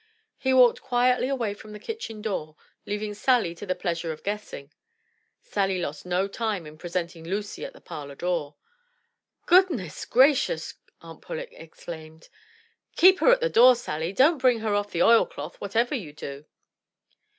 He walked quietly away from the kitchen door, leaving Sally to the pleasure of guessing. Sally lost no time in presenting Lucy at the parlor door. Goodness gracious!' Aunt Pullet exclaimed, "Keep her at the door, Sally ! Don't bring her off the oil cloth, whatever you do